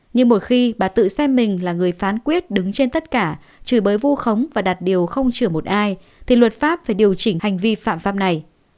nhưng một khi bà tự xem mình là người phán quyết đứng trên tất cả chửi bới vu khống và đặt điều không chửa một ai thì luật pháp phải điều chỉnh hành vi phạm pháp này